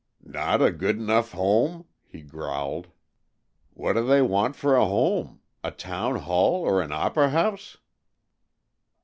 "Not a good enough home?" he growled. "What do they want for a home? A town hall or an op'ry house?"